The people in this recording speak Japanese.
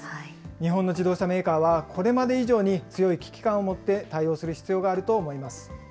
日本の自動車メーカーは、これまで以上に強い危機感を持って対応する必要があると思います。